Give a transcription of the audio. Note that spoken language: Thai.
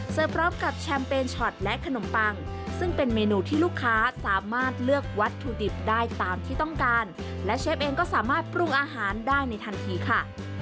พร้อมกับแชมเปญช็อตและขนมปังซึ่งเป็นเมนูที่ลูกค้าสามารถเลือกวัตถุดิบได้ตามที่ต้องการและเชฟเองก็สามารถปรุงอาหารได้ในทันทีค่ะ